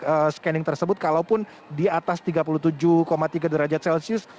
dengan scanning tersebut kalaupun di atas tiga puluh tujuh tiga derajat celcius